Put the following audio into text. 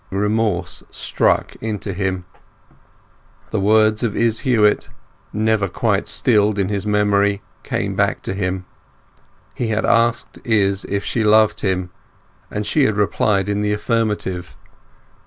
A remorse struck into him. The words of Izz Huett, never quite stilled in his memory, came back to him. He had asked Izz if she loved him, and she had replied in the affirmative.